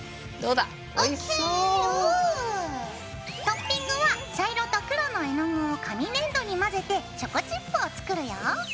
トッピングは茶色と黒の絵の具を紙粘土に混ぜてチョコチップを作るよ。